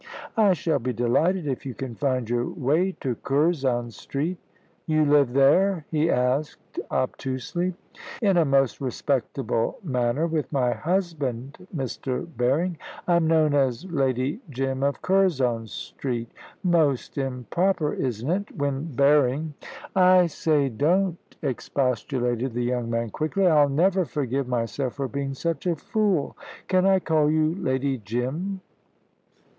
"I shall be delighted, if you can find your way to Curzon Street." "You live there?" he asked obtusely. "In a most respectable manner with my husband, Mr. Berring. I'm known as Lady Jim of Curzon Street. Most improper, isn't it, when Berring ?" "I say, don't," expostulated the young man, quickly. "I'll never forgive myself for being such a fool. Can I call you Lady Jim?"